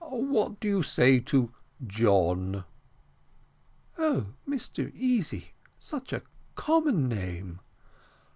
What do you say to John?" "Oh, no, Mr Easy, such a common name?"